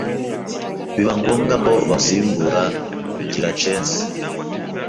biba ngombwa ko bamusimbura ngira censi